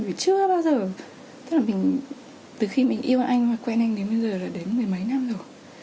mình chưa bao giờ tức là từ khi mình yêu anh và quen anh đến bây giờ là đến mười mấy năm rồi